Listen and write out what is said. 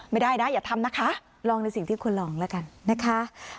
ไม่ได้นะอย่าทำนะคะลองในสิ่งที่คุณลองแล้วกันนะคะ